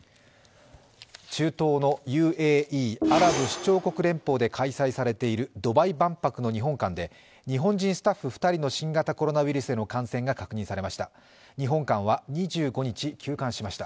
中東のＵＡＥ＝アラブ首長国連邦で開催されているドバイ万博の日本館で日本人スタッフ２人の新型コロナウイルスの感染が確認されました。